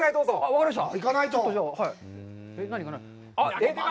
分かりました。